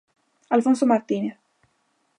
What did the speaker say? Alfonso Martínez.